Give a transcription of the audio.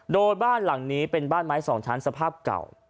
โดยบ้านหลังนี้เป็นบ้านไม้สองชั้นสภาพเก่า